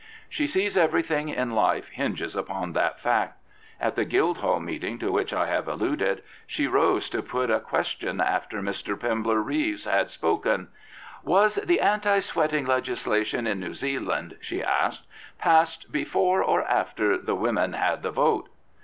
She sees everything in life hinge upon that fact. At the Guildhall meeting to wludi I have alluded, she rose to put a question after Mr. Pember Reeves had 142 Mrs. Pankhurst spoken. " Was the anti sweating legislation in New Zealand/' she asked, " passed before or after the women had the vote?